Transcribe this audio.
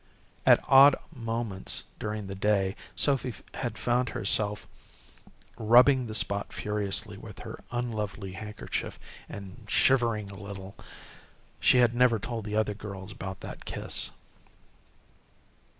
At odd moments during the day Sophy had found herself rubbing the spot furiously with her unlovely handkerchief, and shivering a little. She had never told the other girls about that kiss.